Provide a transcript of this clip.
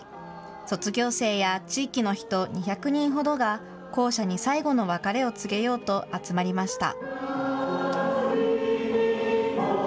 卒業生や地域の人２００人ほどが校舎に最後の別れを告げようと集まりました。